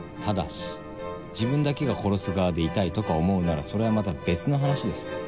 ただし自分だけが殺す側でいたいとか思うならそれはまた別の話です。